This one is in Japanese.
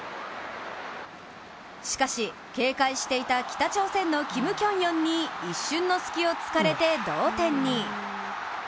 しかし、警戒していた北朝鮮のキム・キョンヨンに一瞬の隙を突かれて同点に。